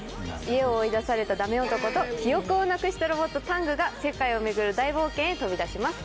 家を追い出されたダメ男と記憶をなくしたロボットタングが世界を巡る大冒険へ飛び出します。